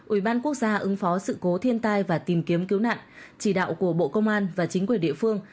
ủy ban quốc gia ứng phó sự cố thiên tai và tìm kiếm cứu nạn chỉ đạo của bộ công an và chính quyền địa phương